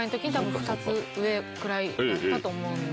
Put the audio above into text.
くらいだったと思うので。